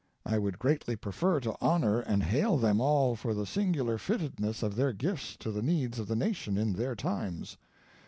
I would greatly prefer to honor and hail them all for the singular fittedness of their gifts to the needs of the Nation in their times.